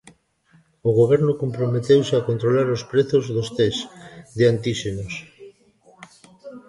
O Goberno comprometeuse a controlar os prezos dos tests de antíxenos.